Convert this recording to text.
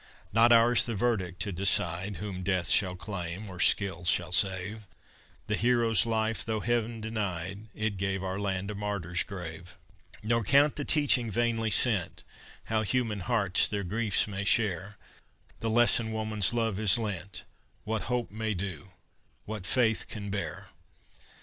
Not ours the verdict to decide Whom death shall claim or skill shall save; The hero's life though Heaven denied, It gave our land a martyr's grave. Nor count the teaching vainly sent How human hearts their griefs may share, The lesson woman's love has lent, What hope may do, what faith can bear!